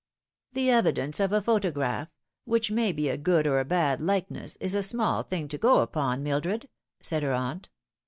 " The evidence of a photograph which may be a good or a bad likeness is a small thing to go upon, Mildred," said her aunt.